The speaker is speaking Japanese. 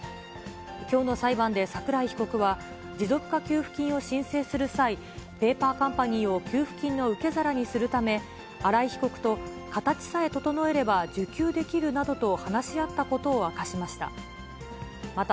きょうの裁判で桜井被告は、持続化給付金を申請する際、ペーパーカンパニーを給付金の受け皿にするため、新井被告と形さえ整えれば受給できるなどと話し合ったことを明かしました。